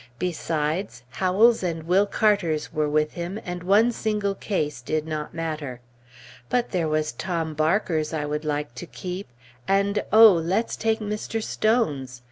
Besides, Howell's and Will Carter's were with him, and one single case did not matter. But there was Tom Barker's I would like to keep, and oh! let's take Mr. Stone's!